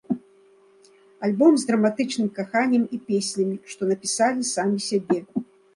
Альбом з драматычным каханнем і песнямі, што напісалі самі сябе.